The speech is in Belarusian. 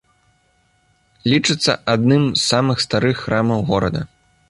Лічыцца адным з самых старых храмаў горада.